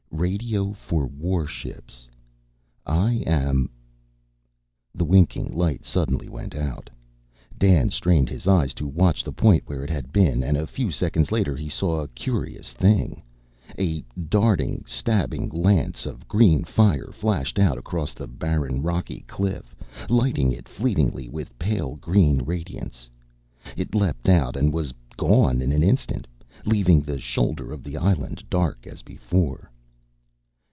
Radio for warships. I am " The winking light suddenly went out. Dan strained his eyes to watch the point where it had been, and a few seconds later he saw a curious thing. A darting, stabbing lance of green fire flashed out across the barren, rocky cliff, lighting it fleetingly with pale green radiance. It leapt out and was gone in an instant, leaving the shoulder of the island dark as before.